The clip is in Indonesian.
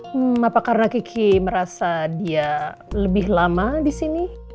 hmm apa karena kiki merasa dia lebih lama disini